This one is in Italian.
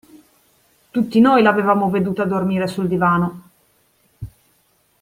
Tutti noi l'avevamo veduta dormire sul divano!